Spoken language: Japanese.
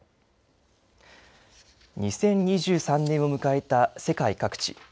２０２３年を迎えた世界各地。